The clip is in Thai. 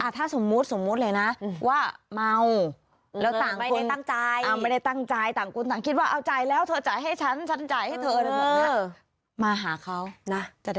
อ่าถ้าสมมุติสมมุติเลยนะว่าเมาแล้วต่างคน